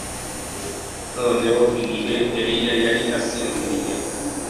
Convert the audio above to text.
Noneho igihe Eliya yari asinziriye